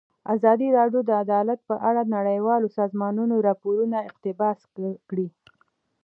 ازادي راډیو د عدالت په اړه د نړیوالو سازمانونو راپورونه اقتباس کړي.